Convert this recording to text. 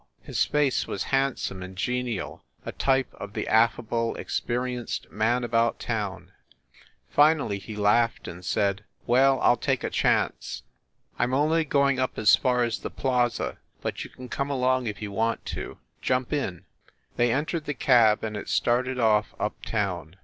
His face was hand some and genial, a type of the affable, experienced man about town. Finally he laughed and said: "Well, I ll take a chance. I m only going up as far n8 FIND THE WOMAN as the Plaza, but you can come along if you want to. Jump in." They entered the cab and it started off up town.